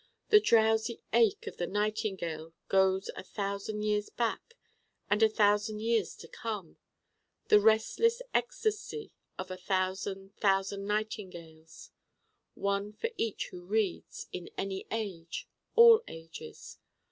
The drowsy ache of the Nightingale goes a thousand years back and a thousand years to come: the restless ecstasy of a thousand thousand Nightingales, one for each who reads, in any age, all ages.